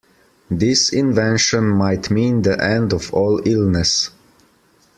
This invention might mean the end of all illness.